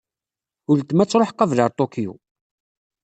Uletma ad truḥ qabel ɣer Tokyo.